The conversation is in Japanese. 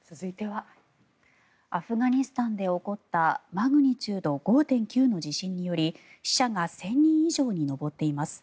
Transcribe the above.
アフガニスタンで起こったマグニチュード５．９の地震により死者が１０００人以上に上っています。